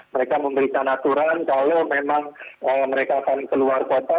mereka memberikan aturan kalau memang mereka akan keluar kota